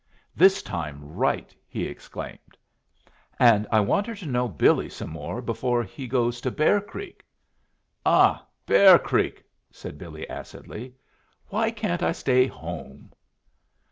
"This time right!" he exclaimed. "And I want her to know Billy some more before he goes to Bear Creek." "Ah, Bear Creek!" said Billy, acidly. "Why can't I stay home?"